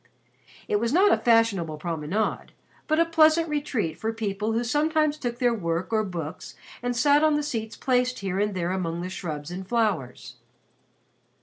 It was not a fashionable promenade but a pleasant retreat for people who sometimes took their work or books and sat on the seats placed here and there among the shrubs and flowers.